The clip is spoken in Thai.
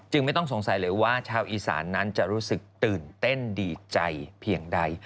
ไม่ต้องสงสัยเลยว่าชาวอีสานนั้นจะรู้สึกตื่นเต้นดีใจเพียงใด